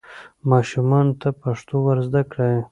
ماشومانو ته پښتو ور زده کړئ.